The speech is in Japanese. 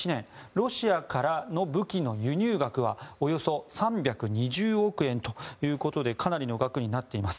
ロシアからの武器の輸入額はおよそ３２０億円ということでかなりの額になっています。